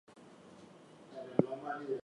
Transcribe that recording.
"Eudimorphodon" currently includes two species.